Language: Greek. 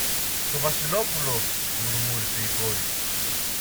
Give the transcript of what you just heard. Το Βασιλόπουλο! μουρμούρισε η κόρη.